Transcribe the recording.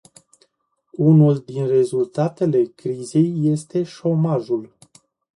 Unul din rezultatele crizei este șomajul.